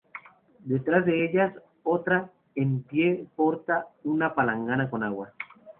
Detrás de ellas, otra, en pie, porta una palangana con agua.